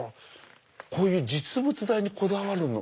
こういう実物大にこだわるの？